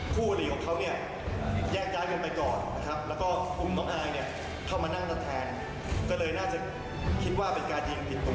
ผู้หลีของเขาแยกการกันไปก่อนแล้วก็อุ้มน้องอายเข้ามานั่งต่อแทนก็เลยน่าจะคิดว่าเป็นการยิงผิดตัวครับ